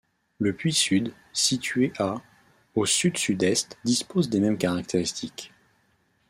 Le puits Sud, situé à au sud-sud-est, dispose des mêmes caractéristiques.